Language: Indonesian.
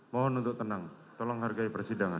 mohon untuk tenang tolong hargai persidangan